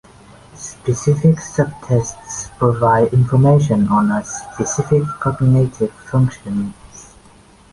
Specific subtests provide information on a specific cognitive function.